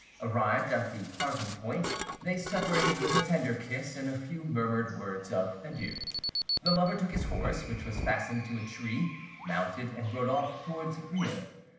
Arrived at the parting point, they separated with a tender kiss and a few murmured words of adieu; the lover took his horse, which was fastened to a tree, mounted, and rode off towards Rieux.